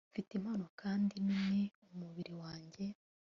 mfite impano kandi ninim umubiri wanjye